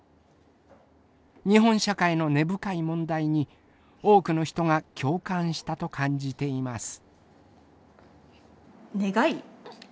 日本社会の根深い問題に多くの人が共感したと感じています。